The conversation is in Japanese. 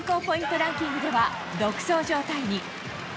ランキングでは独走状態に。